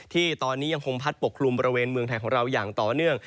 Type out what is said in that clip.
ที่ตอนนี้ยังคงพัดปกคลุมบริเวณเมืองไทยของเราอย่างต่อเนื่อง